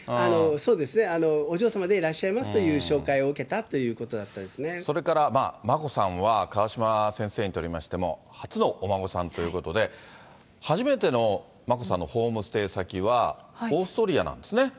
そうですね、お嬢様でいらっしゃいますという紹介を受けたということだったでそれから眞子さんは、川嶋先生にとりましても初のお孫さんということで、初めての眞子さんのホームステイ先はオーストリアなんですね。